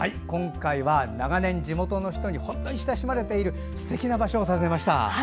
今回は長年、地元の人に本当に親しまれているすてきな場所を訪ねました。